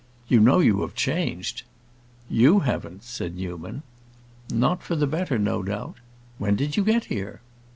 You know you have changed." "You haven't!" said Newman. "Not for the better, no doubt. When did you get here?"